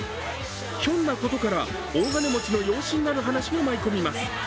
ひょんなことから、大金持ちの養子になる話が舞い込みます。